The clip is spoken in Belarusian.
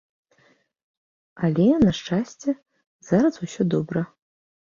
Але, на шчасце, зараз усё добра.